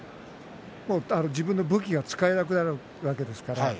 自分の武器が使えなくなるわけですから。